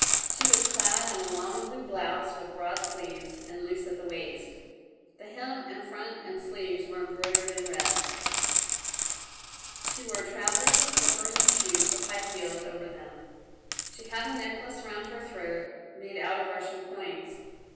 She was clad in a long blue blouse with broad sleeves, and loose at the waist the hem and front and sleeves were embroidered in red. She wore trousers and slippers and shoes with high heels over them; she had a necklace round her throat made out of Russian coins.